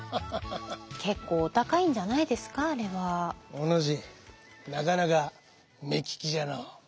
お主なかなか目利きじゃのう。